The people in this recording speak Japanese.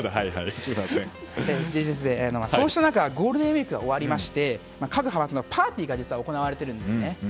そうした中ゴールデンウィークが終わりまして、各派閥のパーティーが実は行われているんですね。